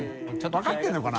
分かってるのかな？